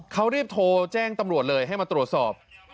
เขารีบโทรแจ้งตำรวจเลยให้มาตรวจสอบ